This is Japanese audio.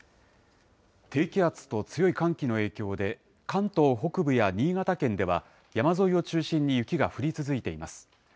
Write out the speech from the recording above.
低気圧と強い寒気の影響で、関東北部や新潟県では、山沿いを中心に雪が降り続いています。